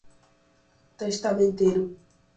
testamenteiro